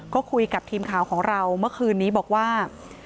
ก็คุยกับทีมข่าวของเราเมื่อคืนนี้บอกว่า